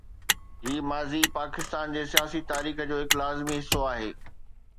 هي ماضي پاڪستان جي سياسي تاريخ جو هڪ لازمي حصو آهي.